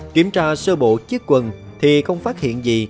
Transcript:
kiểm tra sơ bộ chiếc quần thì không phát hiện gì